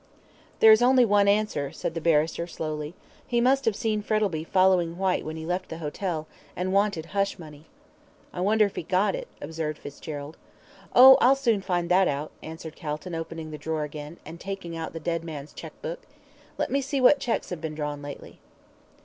"There is only one answer," said the barrister, slowly. "He must have seen Frettlby following Whyte when he left the hotel, and wanted hush money." "I wonder if he got it?" observed Fitzgerald. "Oh, I'll soon find that out," answered Calton, opening the drawer again, and taking out the dead man's cheque book. "Let me see what cheques have been drawn lately."